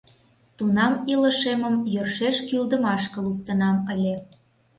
Тунам илышемым йӧршеш кӱлдымашке луктынам ыле.